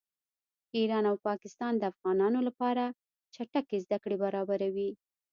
ایران او پاکستان د افغانانو لپاره چټکې زده کړې برابروي